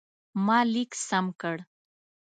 ما لیک سم کړ.